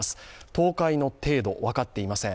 倒壊の程度、分かっていません。